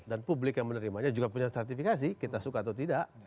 dan publik yang menerimanya juga punya sertifikasi kita suka atau tidak